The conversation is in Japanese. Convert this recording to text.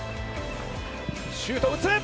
シュートを打つ！